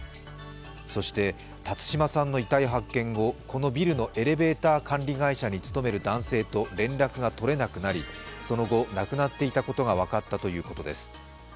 そして辰島さんの遺体発見後、このビルのエレベーター管理会社に勤める男性と連絡が取れなくなり、その後、亡くなっていたことが分かったということです。